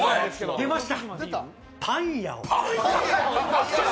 出ました！